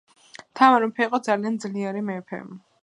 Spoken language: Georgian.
თამარ მეფე იყო ძალიან ძლიერი მეფე.